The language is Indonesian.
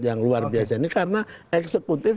yang luar biasa ini karena eksekutif